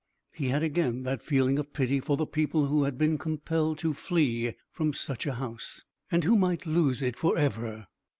He had again that feeling of pity for the people who had been compelled to flee from such a house, and who might lose it forever.